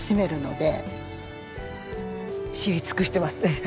知り尽くしてますね。